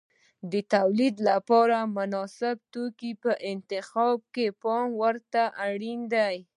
د تولید لپاره د مناسبو توکو په انتخاب کې پام ورته اړین دی.